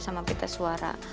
sama pita suara